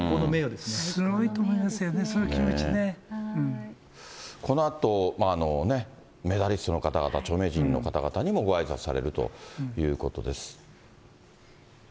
すごいと思いますよね、そのこのあと、メダリストの方々、著名人の方々にもごあいさつされるということです。